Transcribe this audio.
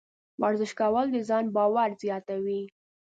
ورزش کول د ځان باور زیاتوي.